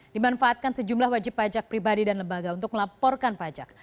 dimanfaatkan sejumlah wajib pajak pribadi dan lembaga untuk melaporkan pajak